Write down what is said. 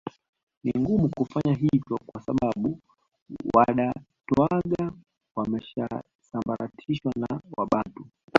Ni ngumu kufanya hivyo kwa sababu Wadatooga wameshasambaratishwa na Wabantu